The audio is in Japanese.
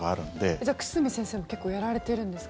じゃあ、久住先生も結構やられてるんですか？